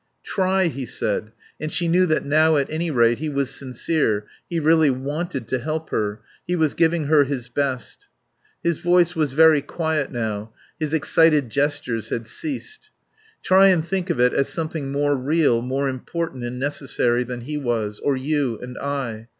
... "Try," he said, and she knew that now at any rate he was sincere; he really wanted to help her; he was giving her his best. His voice was very quiet now, his excited gestures had ceased. "Try and think of it as something more real, more important and necessary than he was; or you and I.